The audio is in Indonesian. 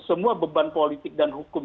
semua beban politik dan hukum